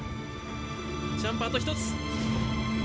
ジャンプあと１つ。